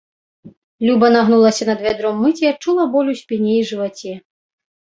Люба нагнулася над вядром мыць і адчула боль у спіне і жываце.